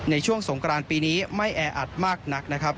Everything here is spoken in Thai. ในช่วงสงกรานปีนี้ไม่แออัดมากนักนะครับ